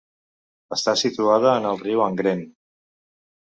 Està situada en el riu Angren.